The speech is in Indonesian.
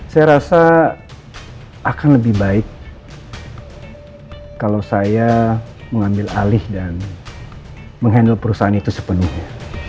saya rasa akan lebih baik kalau saya mengambil alih dan menghandle perusahaan itu sepenuhnya